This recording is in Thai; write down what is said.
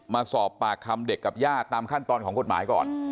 มาสอบปากคำเด็กกับญาติตามขั้นตอนของกฎหมายก่อน